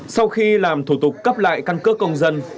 sau khi làm thủ tục cấp lại căn cước công dân